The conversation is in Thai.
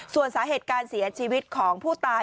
ส่วนสาเหตุการเสียชีวิตของผู้ตาย